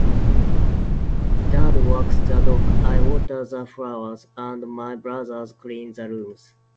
Dad walks the dog, I water the flowers, and my brothers clean the rooms.